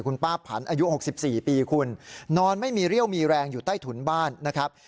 คุณป้าผันอายุ๖๔ปีคุณนอนไม่มีเรี่ยวมีแรงอยู่ใต้ถุนบ้านนะครับ